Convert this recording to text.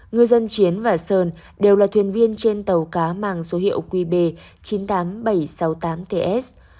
ngư dân chiến và sơn đều là thuyền viên trên tàu cá mang số hiệu qb chín mươi tám nghìn bảy trăm sáu mươi tám ts